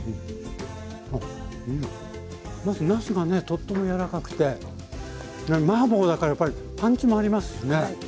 とっても柔らかくてマーボーだからやっぱりパンチもありますしね。